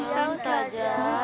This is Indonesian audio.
ya allah tuhan